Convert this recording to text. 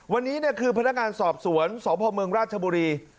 วันนี้คือพนักงานสอบสวนสพเมืองราชบุรี